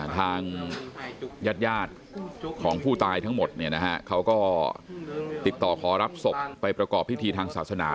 ทางยาดของผู้ตายทั้งหมดเขาก็ติดต่อขอรับศพไปประกอบพิธีทางศาสนา